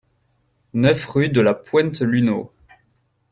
neuf rue de la Pointe Luneau